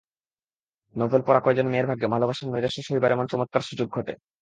নভেল-পড়া কয়জন মেয়ের ভাগ্যে ভালোবাসার নৈরাশ্য সহিবার এমন চমৎকার সুযোগ ঘটে!